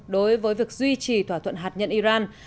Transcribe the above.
đối với việc duy trì thỏa thuận hạt nhân iran